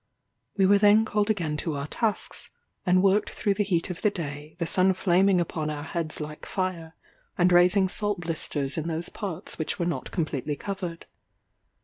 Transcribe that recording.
We were then called again to our tasks, and worked through the heat of the day; the sun flaming upon our heads like fire, and raising salt blisters in those parts which were not completely covered.